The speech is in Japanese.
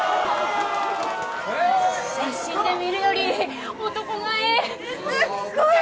写真で見るより男前すっごい